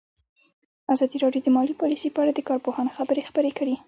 ازادي راډیو د مالي پالیسي په اړه د کارپوهانو خبرې خپرې کړي.